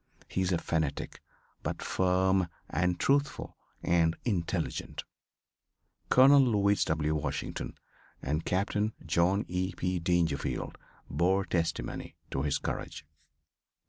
He is a fanatic, but firm, and truthful and intelligent." Colonel Lewis W. Washington and Captain John E. P. Dangerfield bore testimony to his courage.